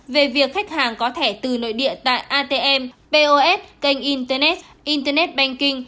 về việc khách hàng có thẻ từ nội địa tại atm pos kênh internet internet banking